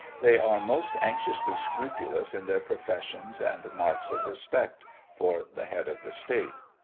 They are most anxiously scrupulous in their professions and marks of respect for the head of the state.